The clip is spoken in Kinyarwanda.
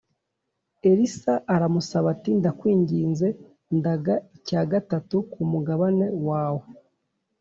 Elisa aramusaba ati Ndakwinginze ndaga icya gatatu kumugabane wawe